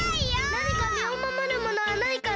なにかみをまもるものはないかな？